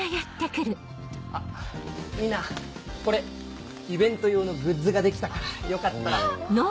あっみんなこれイベント用のグッズができたからよかったら。